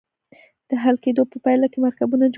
د حل کیدو په پایله کې مرکبونه جوړوي.